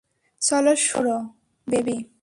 চলো শুরু করো, বেবি।